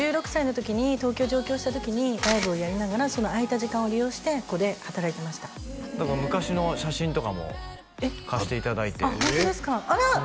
１６歳の時に東京上京した時にライブをやりながらその空いた時間を利用してここで働いてましただから昔の写真とかも貸していただいてホントですかあら！